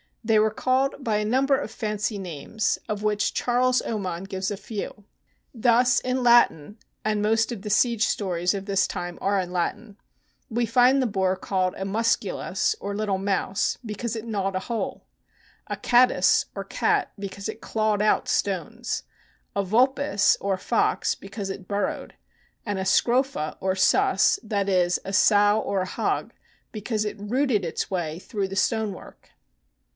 They were called by a number of fancy names, of which Charles Oman gives a few. Thus, in Latin (and most of the siege stories of this time are in Latin), we find the bore called a " musculus" or " little mouse," because it gnawed a hole; a " catus" or cat because it clawed out stones; a " vulpes" or fox, because it burrowed; and a scrofa or sus, that is, a sow or hog, because it rooted its way through the stonework.